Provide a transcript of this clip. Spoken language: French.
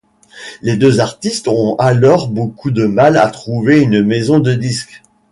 Les deux artistes ont alors beaucoup de mal à trouver une maison de disques.